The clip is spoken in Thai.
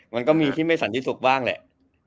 มันก็มีที่ไม่สันติสุขบ้างแหละ